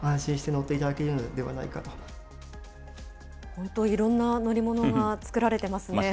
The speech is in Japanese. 本当、いろんな乗り物が作られてますね。